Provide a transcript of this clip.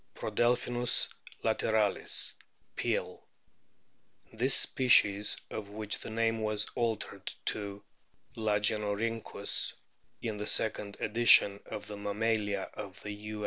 Prodelphinus lateralis, Peale. * This species, of which the name was altered to Lagenorhynchus in the second edition of the Mammalia of the U.